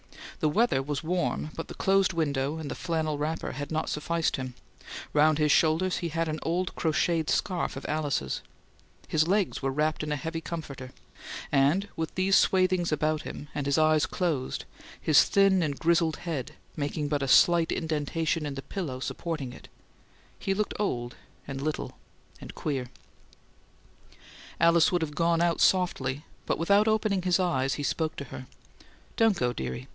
The weather was warm, but the closed window and the flannel wrapper had not sufficed him: round his shoulders he had an old crocheted scarf of Alice's; his legs were wrapped in a heavy comfort; and, with these swathings about him, and his eyes closed, his thin and grizzled head making but a slight indentation in the pillow supporting it, he looked old and little and queer. Alice would have gone out softly, but without opening his eyes, he spoke to her: "Don't go, dearie.